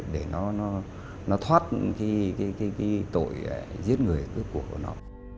để nó thoát cái tội giết người cuối cùng của nó